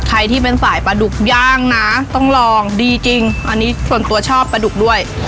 ใครที่เป็นสายปลาดุกย่างนะต้องลองดีจริงอันนี้ส่วนตัวชอบปลาดุกด้วย